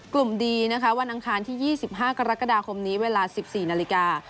ดีนะคะวันอังคารที่๒๕กรกฎาคมนี้เวลา๑๔นาฬิกา